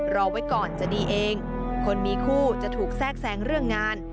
รอไว้ก่อนจะดีเองคนมีคู่จะถูกแทรกแซงเรื่องงาน